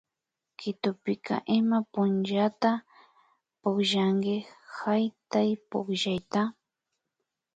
Quitopika ima punllata pukllanki haytaypukllayta